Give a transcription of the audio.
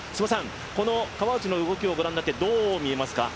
この川内の動きをご覧になって、どう見えますか？